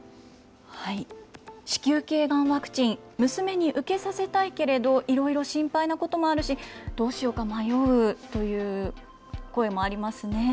子宮けいがんワクチン、娘に受けさせたいけれど、いろいろ心配なこともあるし、どうしようか迷うという声もありますね。